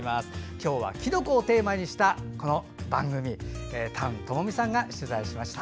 今日はきのこをテーマにして丹友美さんが取材しました。